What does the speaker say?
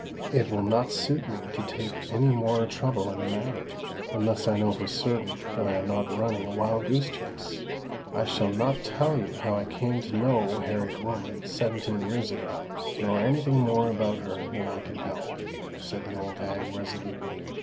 "It will not suit me to take any more trouble in the matter, unless I know for certain that I am not running a wild goose chase." "I shall not tell you how I came to know Harriet Wilmot seventeen years ago, nor any thing more about her than I can help," said the old hag resolutely.